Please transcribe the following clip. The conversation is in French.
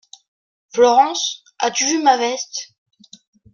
Florence, as-tu vu ma veste?